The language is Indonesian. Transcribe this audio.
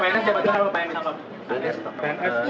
yang misalnya pak